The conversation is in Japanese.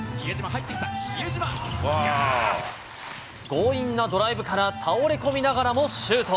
強引なドライブから、倒れ込みながらもシュート。